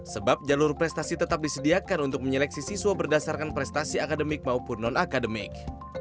sebab jalur prestasi tetap disediakan untuk menyeleksi siswa berdasarkan prestasi akademik maupun non akademik